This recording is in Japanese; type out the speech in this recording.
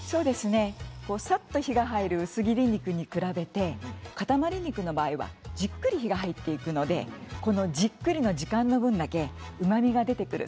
さっと火が入る薄切り肉に比べてかたまり肉の場合はじっくりと火が入っていくのでこのじっくり時間の分だけうまみが出てくる。